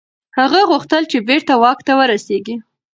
هغه غوښتل چي بیرته واک ته ورسیږي.